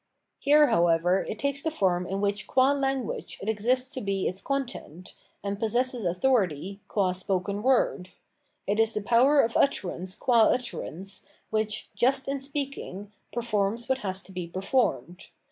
Here, however, it takes the form in which qua language it exists to be its con tent, and possesses authority, qua spoken word ; it is the power of utterance qua utterance which, just in speaking, performs what has to be performed.